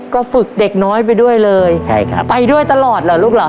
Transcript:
ก็ฝึกเด็กน้อยไปด้วยเลยใช่ครับไปด้วยตลอดเหรอลูกเหรอ